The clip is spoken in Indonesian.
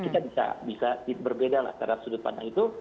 kita bisa berbeda lah terhadap sudut pandang itu